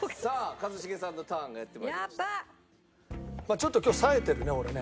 ちょっと今日さえてるね俺ね。